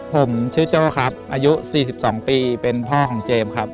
ผมชื่อโจ้ครับอายุ๔๒ปีเป็นพ่อของเจมส์ครับ